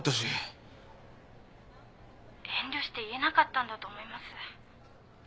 遠慮して言えなかったんだと思います。